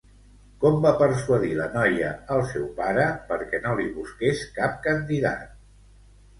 Com va persuadir la noia el seu pare perquè no li busqués cap candidat?